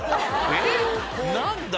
えっ何だ？